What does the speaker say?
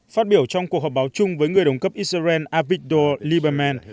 phát biểu trong cuộc họp báo chung với người đồng cấp israel avigdor lieberman